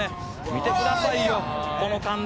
「見てくださいよこの感じ」